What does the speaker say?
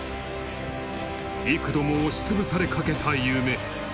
幾度も押しつぶされかけた夢。